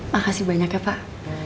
makasih banyak ya pak